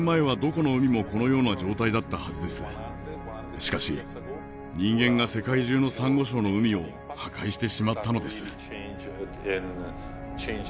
しかし人間が世界中のサンゴ礁の海を破壊してしまったのです。